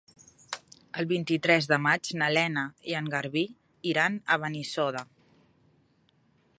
El vint-i-tres de maig na Lena i en Garbí iran a Benissoda.